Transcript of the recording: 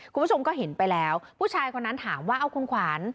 คุณผู้ชมก็เห็นไปแล้วผู้ชายคนนั้นถามว่าเอาคุณขวัญ